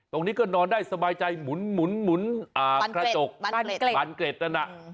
ตรงนี้ก็นอนได้สบายใจหมุนกระจกบานเกร็ดนั้น